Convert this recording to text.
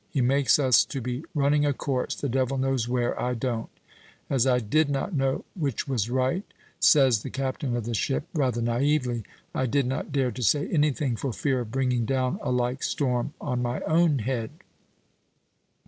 He makes us to be running a course, the devil knows where, I don't.' As I did not know which was right," says the captain of the ship, rather naïvely, "I did not dare to say anything for fear of bringing down a like storm on my own head."